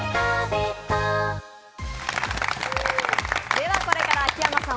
ではこれから秋山さん